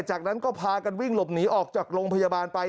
จากนั้นก็พากันวิ่งหลบหนีออกจากโรงพยาบาลไป